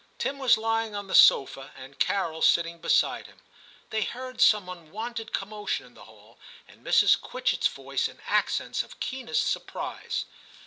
Tim was lying on the sofa, and Carol sitting beside him. They heard some unwonted commotion in the hall, and Mrs. Quitchett's voice in accents of keenest surprise.